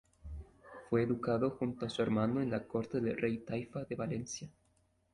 Fue educado junto a su hermano en la corte del Rey taifa de Valencia.